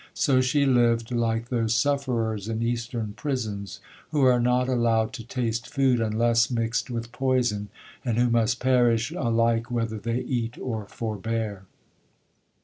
So she lived, like those sufferers in eastern prisons, who are not allowed to taste food unless mixed with poison, and who must perish alike whether they eat or forbear.